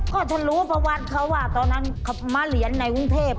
ก็ถ้ารู้ประวัติเขาว่าตอนนั้นมาเหรียญในกรุงเทพ